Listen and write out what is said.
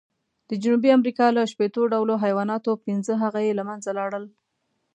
د جنوبي امریکا له شپېتو ډولو حیواناتو، پینځه هغه یې له منځه لاړل.